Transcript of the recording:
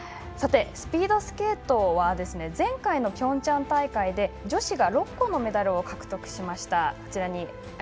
スピードスケートは前回のピョンチャン大会で女子が６個のメダルを獲得しました。